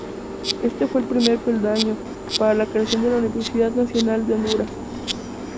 Este fue el primer peldaño, para la creación de la Universidad Nacional de Honduras.